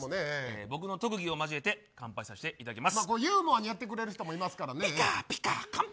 僕の特技を交えて乾杯させていただきます。